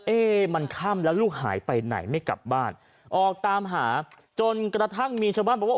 เอ๊ะมันค่ำแล้วลูกหายไปไหนไม่กลับบ้านออกตามหาจนกระทั่งมีชาวบ้านบอกว่า